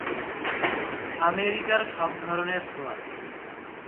আমেরিকার সব ধরনের সোয়াট।